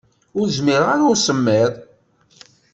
Ur zmireɣ ara i usemmiḍ.